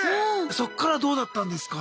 そっからどうだったんですか？